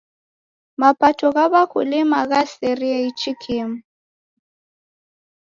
Mapato gha w'akulima ghaserie ichi kimu.